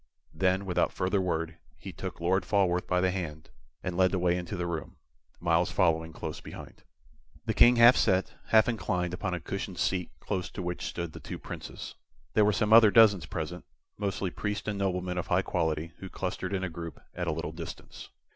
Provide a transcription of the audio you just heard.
Then, without further word, he took Lord Falworth by the hand, and led the way into the room, Myles following close behind. The King half sat, half inclined, upon a cushioned seat close to which stood the two Princes. There were some dozen others present, mostly priests and noblemen of high quality who clustered in a group at a little distance.